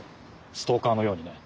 ストーカーのようにね。